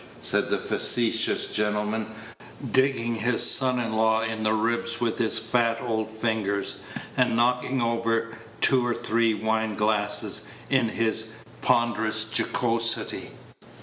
said the facetious gentleman, digging his son in law in the ribs with his fat old fingers, and knocking over two or three wine glasses in his ponderous jocosity.